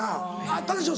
あったでしょ